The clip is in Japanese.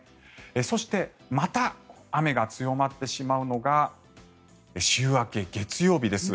そしてまた雨が強まってしまうのが週明け月曜日です。